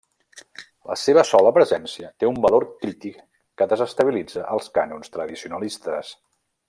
La seva sola presència té un valor crític que desestabilitza els cànons tradicionalistes.